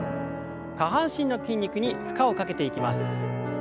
下半身の筋肉に負荷をかけていきます。